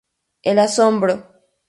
El Asombro.